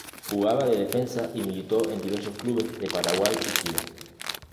Jugaba de defensa y militó en diversos clubes de Paraguay y Chile.